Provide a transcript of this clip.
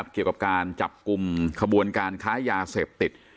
เกี่ยวกับการจับกลุ่มขบวนการค้ายาเสพติด